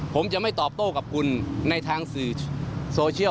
ผมจะไม่ตอบโต้กับคุณในทางสื่อโซเชียล